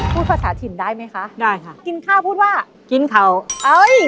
พูดภาษาถิ่นได้ไหมคะได้ค่ะกินข้าวพูดว่ากินเข่าเอ้ย